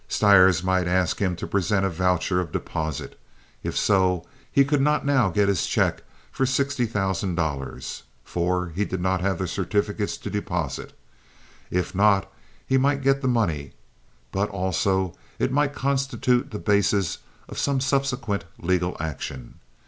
Stires might ask him to present a voucher of deposit. If so, he could not now get this check for sixty thousand dollars, for he did not have the certificates to deposit. If not, he might get the money; but, also, it might constitute the basis of some subsequent legal action.